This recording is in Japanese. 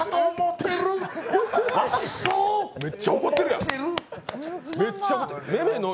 めっちゃ怒ってるやん。